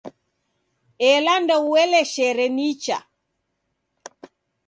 Ela ndoueleshere nicha.